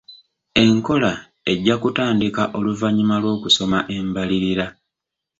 Enkola ejja kutandika oluvannyuma lw'okusoma embalirira.